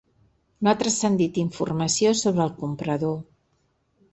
No ha transcendit informació sobre el comprador.